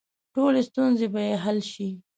ټولې ستونزې به یې حل شي.